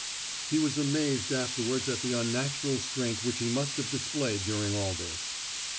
He was amazed afterwards at the unnatural strength which he must have displayed during all this.